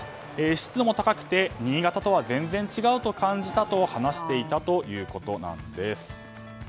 湿度も高くて新潟とは全然違うと感じたと話していたということなんです。